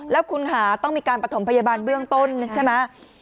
แล้วคุณค่ะต้องมีการประถมพยาบาลเบื้องต้นใช่ไหม